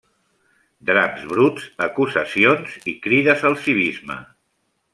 Draps bruts, acusacions i crides al civisme.